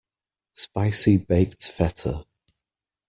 Spicy baked feta.